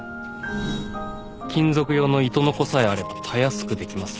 金属用の糸のこさえあればたやすくできます。